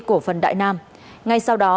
của phần đại nam ngay sau đó